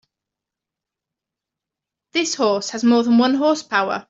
This horse has more than one horse power.